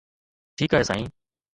ٺيڪ آهي سائين